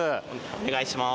お願いします。